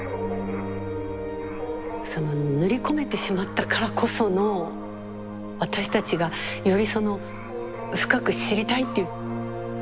その塗り込めてしまったからこその私たちがよりその深く知りたいっていう。